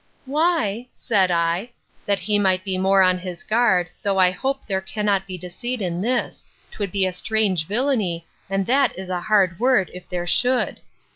—Why, said I, (that he might be more on his guard, though I hope there cannot be deceit in this; 'twould be strange villany, and that is a hard word, if there should!)